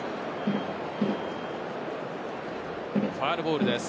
ファウルボールです。